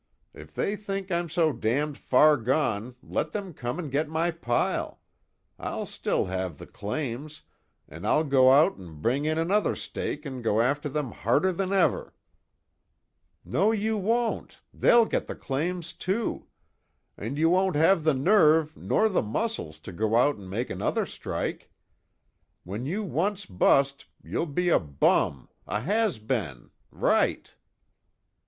If they think I'm so damned far gone let them come and get my pile I'll still have the claims, and I'll go out and bring in another stake and go after them harder than ever!" "No you won't they'll get the claims, too. And you won't have the nerve, nor the muscles to go out and make another strike. When you once bust, you'll be a bum a has been right."